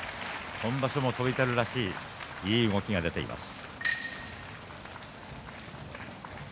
今場所も翔猿らしいいい動きが出ています。